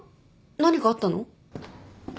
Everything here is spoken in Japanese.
何かあったの？